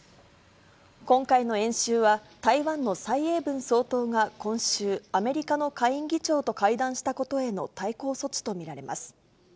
今回の演習は、台湾の蔡英文総統が今週、アメリカの下院議長と会談したことへの対抗措置と見られます。